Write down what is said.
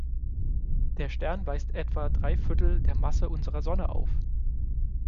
Der Stern weist etwa drei Viertel der Masse unserer Sonne auf.